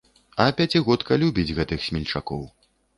А пяцігодка любіць гэткіх смельчакоў.